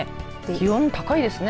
気温高いですね。